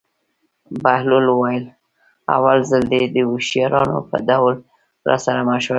بهلول وویل: اول ځل دې د هوښیارانو په ډول راسره مشوره وکړه.